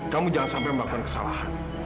kamu jangan sampai melakukan kesalahan